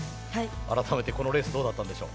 改めてこのレースどうだったんでしょう？